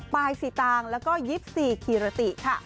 ปลายสีตางแล้วก็๒๔ขีระติค่ะ